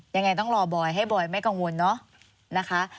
ยังไงต้องรอบ่อยให้บ่อยไม่กังวลเนอะ